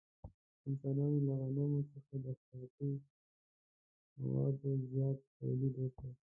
انسانانو له غنمو څخه د خوراکي موادو زیات تولید وکړ.